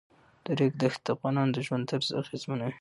د ریګ دښتې د افغانانو د ژوند طرز اغېزمنوي.